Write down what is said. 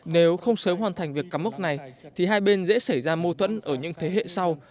nếu không sớm hoàn thành việc cắm mốc này thì hai bên dễ xảy ra mâu thuẫn ở những thế hệ sau